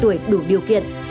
trẻ được tiêm miễn phí